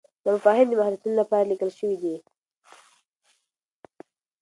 دا مفاهیم د محصلینو لپاره لیکل شوي دي.